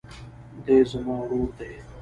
دی زما ورور دئ.